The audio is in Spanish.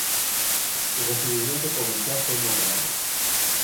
Su recibimiento comercial fue moderado.